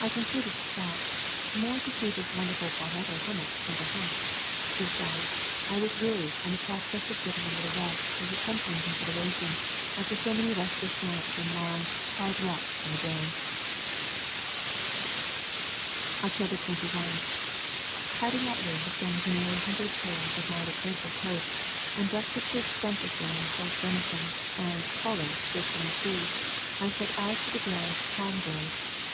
I concluded to stop — more to see this won derful palmetto hummock than to hunt. Be sides, I was weary and the prospect of getting a little rest was a tempting consideration after so many restless nights and long, hard walks by day. October 21. Having outlived the sangui nary hunters' tales of my loquacious host, and breakfasted sumptuously on fresh venison and [ 113 ] A Thousand Mile Walk "caller" fish from the sea, I set out for the grand palm grove.